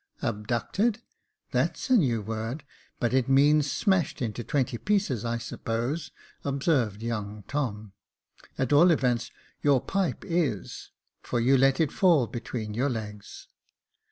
" Abducted ! that's a new word; but it means smashed into twenty pieces, I suppose," observed young Tom. " At all events, your pipe is, for you let it fall between your legs."